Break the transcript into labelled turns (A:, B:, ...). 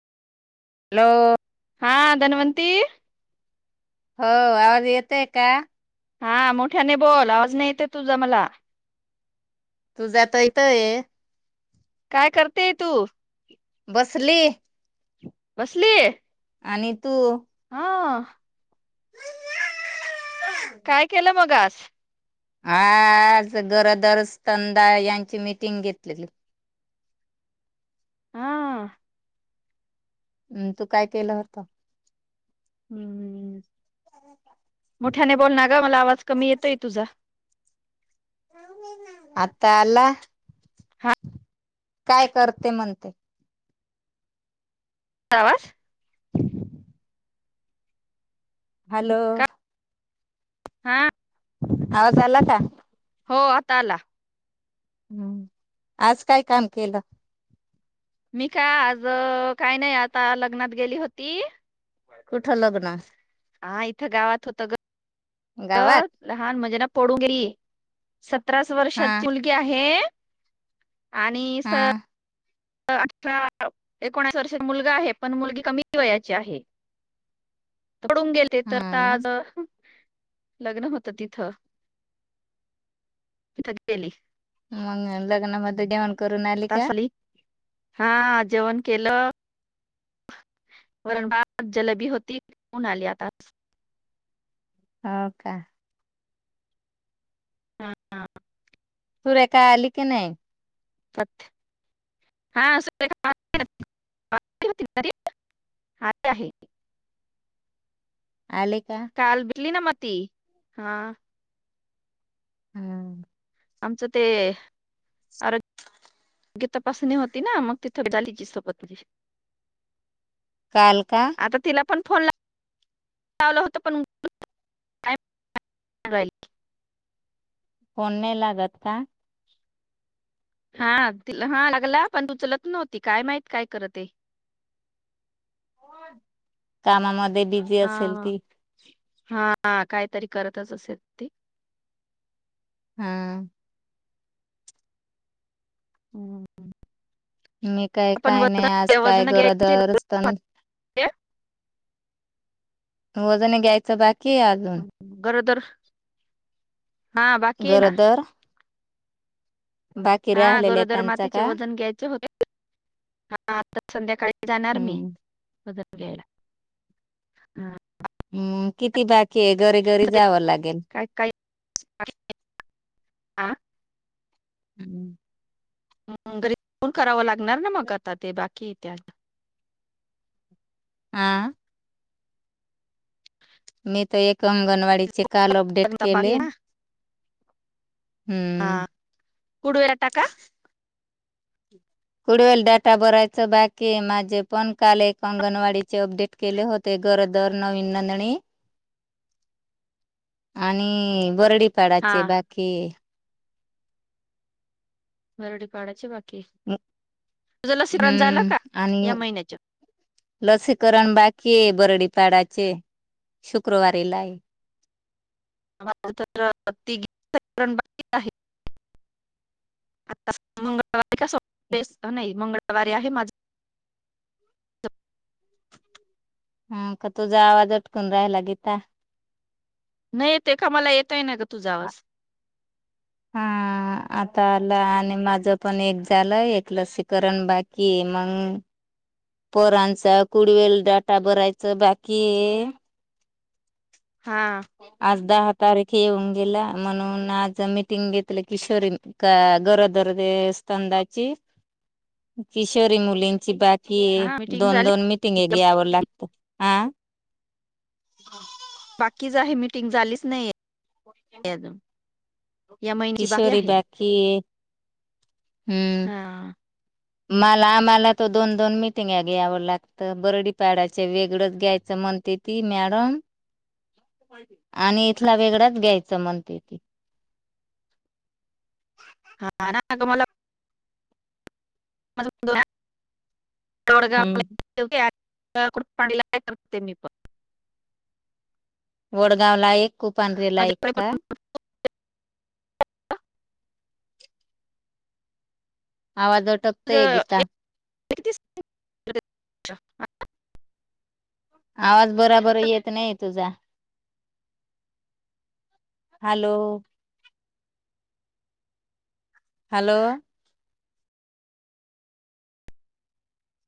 A: Hello
B: हा धनवंती
A: हो आवाज येतोय का?
B: हा मोठ्याने बोल, आवाज नाही येत ये तुझा मला
A: तुझा तर येतो ये
B: काय करतेय तू?
A: बसली.
B: बसलीये?
A: आणि तू?
B: हा काय केलं मग आज?
A: आज गरोदर स्तनदा यांची मीटिंग घेतलेली
B: हा
A: अन तू काय केलं होतं?
B: हम्म... मोठ्याने बोल ना ग, मला आवाज कमी येतोय तुझा
A: आता आला?
B: हा
A: काय करते म्हणते?
B: आवाज [unintelligible]
A: हॅलो.
B: हा.
A: आवाज आला का?
B: हो आता आला
A: हम् आज काय काम केलं?
B: मी का... आज... काही नाही, आता लग्नात गेली होती.
A: कुठं लग्न?
B: हा इथं गावात होतं ग
A: गावात
B: अगं लहान म्हजे ना पडुगी.. सतराच
A: हा
B: वर्षांची मुलगी आहे आणि स
A: हा
B: अठरा एकोनावीस वर्षाचा मुलगा आहे, पण मुलगी कमी वयाची आहे पडून गेलते तर
A: हा
B: ता
A: ना
B: आज लग्न होतं तिथं [unintelligible] तिथं गेली
A: मग लग्नामध्ये जेवण करून आली का?
B: हा जेवण केलं वरण भात, जलेबी होती [unintelligible] आली आताच
A: हाव का?
B: हा, हा.
A: सुरेखा आली की नाही?
B: हा सुरेखा आली. आली होती घरी, आली आहे.
A: आले का?
B: काल भेटली ना मग ती हा.
A: हम्म.
B: आमचं ते आर तापासणी होती ना, मग तिथं चालली जी सोबत.
A: काल का.
B: आता तिला पण फोन ला. लावलं होतं पण [inaudible] [unintelligible]
A: फोन नाही लागत का?
B: हा तिला हा लागला, पण उचलत नव्हती काय माहित काय करत ते.
A: कामामध्ये बिझी
B: हा
A: असेल ती.
B: हा काहीतरी करतच असेल ती.
A: हम्म.
B: हम्म हम.
A: मी काय, काय नाही आज काय
B: घ्यायचे
A: गरोदर स्तन वजन घ्यायचं बाकी अजून.
B: गरोदर हा बाकी ये ना.
A: गरोदर बाकी
B: हा
A: राहिलेल्या
B: गरोदर
A: त्यांचा
B: मातीचे
A: का?
B: वजन घ्यायचे होते. हा आता संध्याकाळी जाणार मी
A: हम्म.
B: बग. द्यायला हा.
A: हम् किती बाकी आहे. घरी-घरी जावं लागेल.
B: आ.
A: हम्म.
B: घरी फोन करावं लागणार ना मग आता ते बाकी इते
A: हा. मी तर एक, अंगणवाडीचे काल अपडेट
B: बाकी
A: केले.
B: आहे ना हा
A: हम्म.
B: उडवेला टाका
A: कुडवेल डाटा, बरायचं बाकीये, माझे पण काल एक अंगणवाडीचे अपडेट केले होते. गरोदर, नवीन नोंदणी.
B: [inaudible]
A: आणि
B: हा
A: वरडीपाडाचे बाकी.
B: वरडी पाडाचे बाकी तुझं लसीकरण झाला
A: हम्म
B: का. या
A: आणि
B: महिन्याच्.
A: लसीकरण बाकी आहे. बरडीपाडाचे शुक्रवारी ला आहे.
B: माज तर तिघी जणींच बाकी आहे. आता मंगळवारी का सोमवारी असत. नाही मंगळवारी आहे माझ.
A: हा का तुझा आवाज अटकून राहिला गीता.
B: नाहीे येतो का, मला येेतोय तुझा तुझा, आवाज.
A: हा. आता आला, आणि माझ पण एक झालंय, एक लसीकरण बाकी मंग. पोरांचा कुडवेल डाटा भरायचं बाकीये.
B: हा
A: आज दहा. तारखे येऊन गेला, म्हणून आज मीटिंग घेतलं किशोरीन का गरोदर [inaudible] किशोरी मुलींची बॅच. कि
B: हा मीटिंग झाली
A: दोन-दोन मिीटिंगे घ्यावे लागत हा.
B: कीचही मिीटिंग झालीच नाहीये.
A: हो [unintelligible]
B: या महिन्याची
A: किशोरी
B: आहे
A: बाकी हम्म...
B: हा
A: मला- आम्हाला त दोन- दोन मिटिंगा घ्यावं लागतं बरडीपाडाच वेगळंच घ्यायचं म्हणते ती मॅडम
B: ह [inaudible]
A: [inaudible] आणि इथला वेगळाच घ्यायचं म्हणते ती
B: हा- ना- ग -मला [unintelligible]
A: हम्म
B: त्याकुड- पाणीला- काय करतते मी पण
A: वडगावला एक कूपांढरे ला एक
B: माझ्याकडे
A: का?
B: पण
A: आवाज अटकतोय गीता
B: एकतीस [unintelligible]
A: आवाज बराबर येत नाही तुझा हॅलो हॅलो